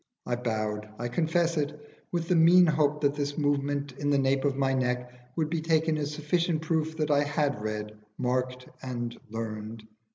I bowed I confess it with the mean hope that this movement in the nape of my neck would be taken as sufficient proof that I had read, marked, and learned.